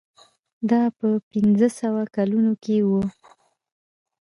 دا په پنځه سوه کلونو کې و.